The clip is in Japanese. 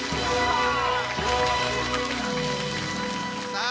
さあ